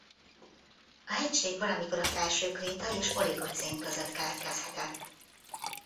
A hegység valamikor a felső kréta és oligocén között keletkezhetett.